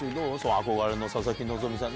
憧れの佐々木希さん。